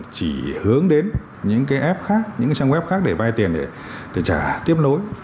chỉ hướng đến những cái app khác những cái trang web khác để vay tiền để trả tiếp nối